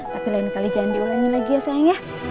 tapi lain kali jangan diulangi lagi ya sayang ya